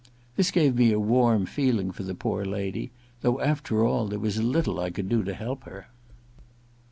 This gave me a warm feeling for the poor lady, though after all there was little I could do to help her.